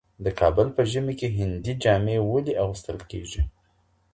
د کابل په ژمي کي هندي جامې ولې اغوستل کيږي؟